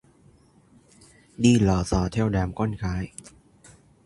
Đi lò rò theo đám con gái